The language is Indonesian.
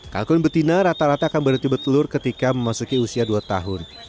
kalkun betina rata rata akan berhenti bertelur ketika memasuki usia dua tahun